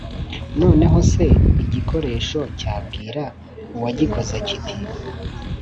Noneho se, igikoresho cyabwira uwagikoze kiti